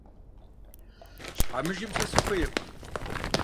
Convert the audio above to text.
Щхьэмыжым сэ сыхуейкъым.